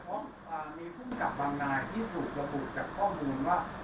มีผู้กักบางนายที่ถูกระบุดกับข้อมูลว่าเป็นเจ้าของเว็บไซต์